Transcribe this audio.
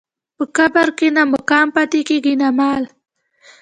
په قبر کې نه مقام پاتې کېږي نه مال.